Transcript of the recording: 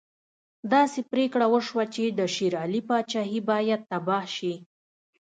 داسې پرېکړه وشوه چې د شېر علي پاچهي باید تباه شي.